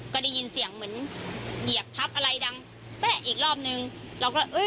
ก็ได้ยินเสียงเหมือนเหยียบทับอะไรดังแป๊ะอีกรอบนึงเราก็เอ้ย